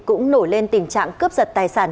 cũng nổi lên tình trạng cướp giật tài sản